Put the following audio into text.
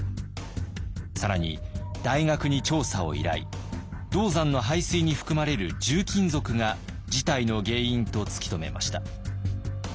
更に大学に調査を依頼銅山の排水に含まれる重金属が事態の原因と突き止めました。